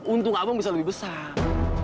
untung abang bisa lebih besar